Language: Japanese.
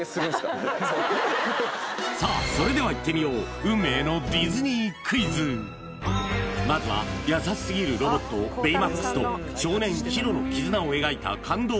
それではいってみよう運命のまずは優しすぎるロボットベイマックスと少年ヒロの絆を描いた感動